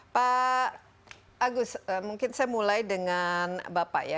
pak agus mungkin saya mulai dengan bapak ya